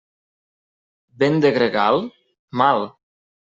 Vent de gregal? Mal!